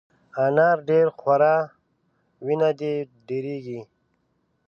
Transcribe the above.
انار ډېر خوره ، وینه دي ډېرېږي !